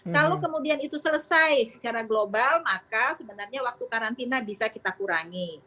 kalau kemudian itu selesai secara global maka sebenarnya waktu karantina bisa kita kurangi